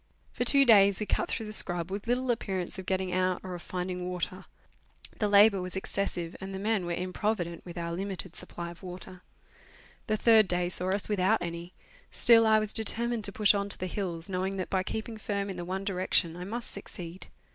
For two days we cut through the scrub, with little appearance of getting out or of finding water. The labour was excessive, and the men were improvident with our limited supply of water. The third day saw us without any; still I was determined to push on to the hills, knowing that by keeping firm in the one direction I must succeed.